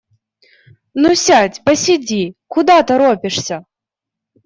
Ну, сядь, посиди, куда торопишься?